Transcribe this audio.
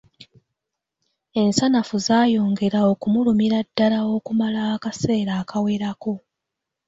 Ensanafu zaayongera okumulumira ddala okumala akaseera akawerako.